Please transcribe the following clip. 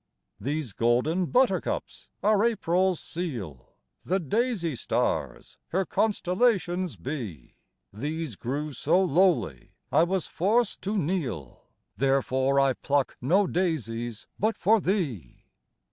These golden Buttercups are April's seal, The Daisy stars her constellations be: These grew so lowly, I was forced to kneel, Therefore I pluck no Daisies but for thee!